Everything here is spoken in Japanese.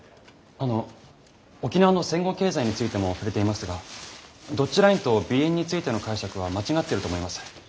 あの沖縄の戦後経済についても触れていましたがドッジラインとＢ円についての解釈は間違ってると思います。